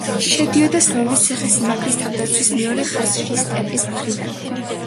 შედიოდა სამების ციხესიმაგრის თავდაცვის მეორე ხაზში სტეპის მხრიდან.